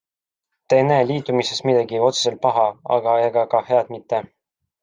Ta ei näe liitumises midagi otseselt paha, aga ega ka head mitte.